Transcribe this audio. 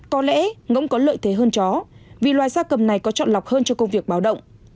có lẽ ngỗng có lợi thế hơn chó vì loài gia cầm này có chọn lọc hơn cho công việc báo động